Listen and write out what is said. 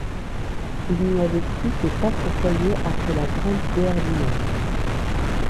Il n'y avait plus que quatre foyers après la Grande Guerre du Nord.